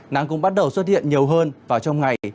nắng cũng bắt đầu xuất hiện nhiều hơn vào trong ngày